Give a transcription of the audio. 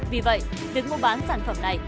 vì vậy được mua bán sản phẩm này